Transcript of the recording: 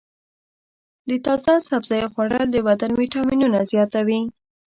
د تازه سبزیو خوړل د بدن ویټامینونه زیاتوي.